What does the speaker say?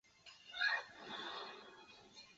元烈在西魏官至尚书。